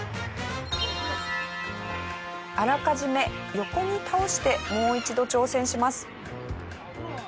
あらかじめ横に倒してもう一度挑戦します。